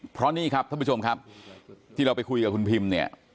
เพราะนี่ครับท่านผู้ชมครับที่เราไปคุยกับคุณพิมเนี่ย